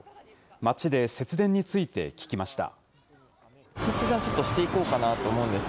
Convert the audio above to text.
街で節電について聞きました。